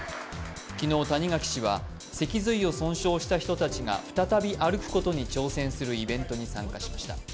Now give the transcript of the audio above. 昨日谷垣氏は脊髄を損傷した人たちが再び歩くことに挑戦するイベントに参加しました。